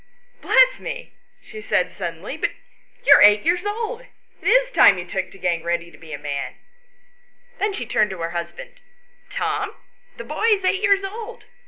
Bless me," she said suddenly, " but you are eight years old, and it is time you took to getting ready to be a man." Then she turned to her husband. "Tom, the boy is eight years old.